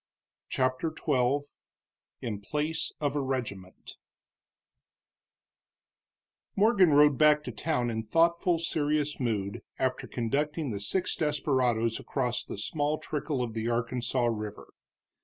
CHAPTER XII IN PLACE OF A REGIMENT Morgan rode back to town in thoughtful, serious mood after conducting the six desperadoes across the small trickle of the Arkansas River.